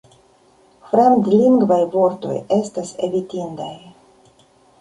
Fremdlingvaj vortoj estas evitindaj.